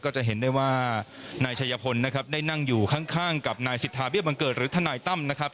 จะเห็นได้ว่านายชัยพลนะครับได้นั่งอยู่ข้างกับนายสิทธาเบี้บังเกิดหรือทนายตั้มนะครับ